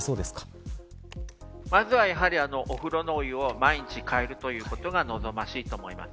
まずはお風呂のお湯を毎日換えるということが望ましいと思います。